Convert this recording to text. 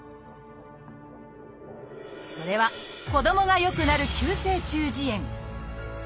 それは子どもがよくなる「急性中耳炎」